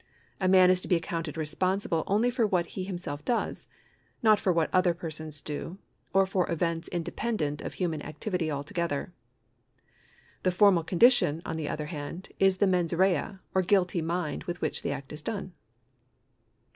A man is to be accounted responsible only for what he himself does, not for what other persons do, or for events independent of human activity altogether. The for mal condition, on the other hand, is the mens rea or guilty mind with which the act is done.